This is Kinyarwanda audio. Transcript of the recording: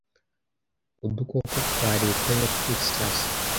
Udukoko twa leta ya Texas